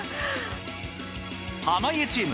濱家チーム